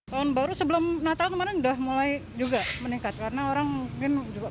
tahun baru sebelum natal kemarin udah mulai juga meningkat karena orang mungkin juga